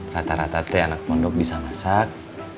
rata rata teh anak pondok bisa masak